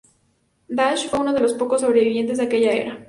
Dash fue uno de los pocos sobrevivientes de aquella era.